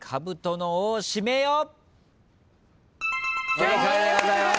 正解でございます。